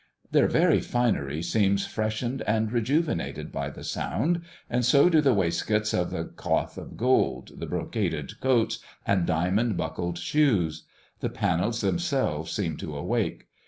Their very finery seems freshened and rejuvenated by the sound, and so do the waistcoats of cloth of gold, the brocaded coats and diamond buckled shoes. The panels themselves seem to awake.